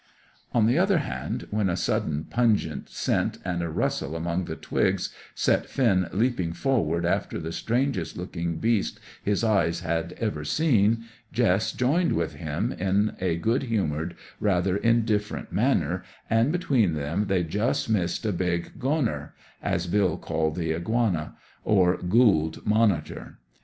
On the other hand, when a sudden pungent scent and a rustle among the twigs set Finn leaping forward after the strangest looking beast his eyes had ever seen, Jess joined with him, in a good humoured, rather indifferent manner, and between them they just missed a big "goanner," as Bill called the iguana, or Gould Monitor.